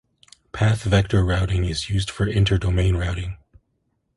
Path vector routing is used for inter-domain routing.